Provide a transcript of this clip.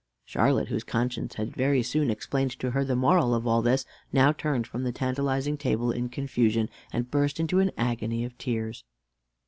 Charlotte, whose conscience had very soon explained to her the moral of all this, now turned from the tantalizing table in confusion, and burst into an agony of tears.